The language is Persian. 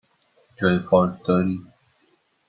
جای پارک دارید؟